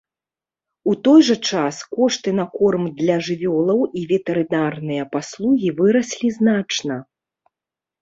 У той жа час кошты на корм для жывёлаў і ветэрынарныя паслугі выраслі значна.